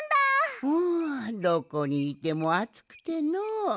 んどこにいてもあつくてのう。